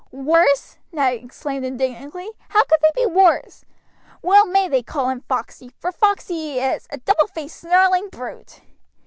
"Worse!" Ned exclaimed indignantly; "how could they be worse? Well may they call him Foxey, for foxey he is, a double faced snarling brute."